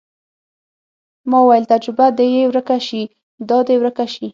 ما وويل تجربه دې يې ورکه سي دا دې ورکه سي.